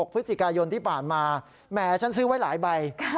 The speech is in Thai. พฤศจิกายนที่ผ่านมาแหมฉันซื้อไว้หลายใบ